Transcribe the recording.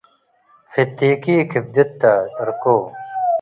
ፍቲኪ ክብድተ ጽርኮ